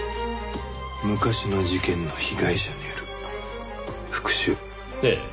昔の事件の被害者による復讐？